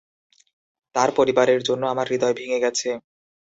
তার পরিবারের জন্য আমার হৃদয় ভেঙ্গে গেছে।